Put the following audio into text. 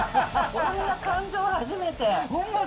こんな感情初めて。